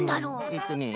えっとね